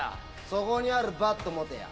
そこにあるバット持てや。